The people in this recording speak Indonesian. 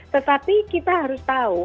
tetapi kita harus tahu